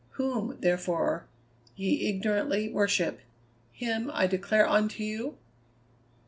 Whom, therefore, ye ignorantly worship, him I declare unto you?'"